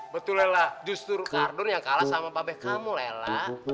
betul layla justru kardun yang kalah sama babi kamu layla